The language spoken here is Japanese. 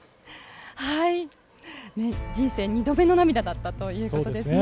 人生２度目の涙だったということですね。